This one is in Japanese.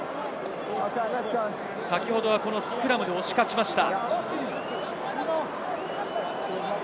先ほどはスクラムで押し勝ちました。